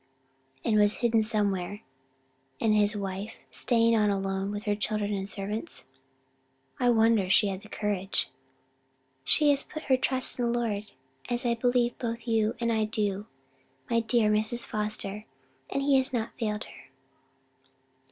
"And was in hiding somewhere; and his wife staying on alone with her children and servants? I wonder she had the courage." "She put her trust in the Lord, as I believe both you and I do, my dear Mrs. Foster; and he has not failed her."